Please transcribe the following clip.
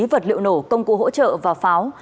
vật liệu nổ công cụ hỗ trợ và pháo